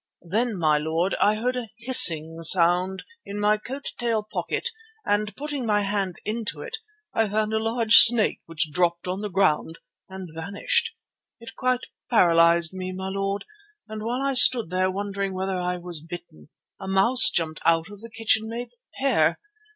Then, my lord, I heard a hissing sound in my coat tail pocket and, putting my hand into it, I found a large snake which dropped on the ground and vanished. It quite paralysed me, my lord, and while I stood there wondering whether I was bitten, a mouse jumped out of the kitchenmaid's hair.